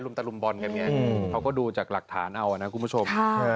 ตะลุมบอลกันไงเขาก็ดูจากหลักฐานเอานะคุณผู้ชม